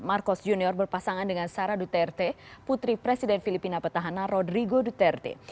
marcos junior berpasangan dengan sarah duterte putri presiden filipina petahana rodrigo duterte